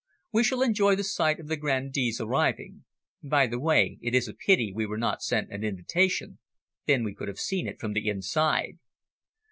We shall enjoy the sight of the grandees arriving. By the way, it is a pity we were not sent an invitation, then we could have seen it from the inside."